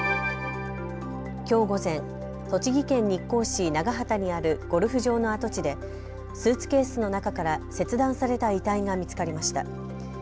きょう午前、栃木県日光市長畑にあるゴルフ場の跡地でスーツケースの中から切断された遺体が見つかりました。